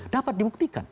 dapat dibuktikan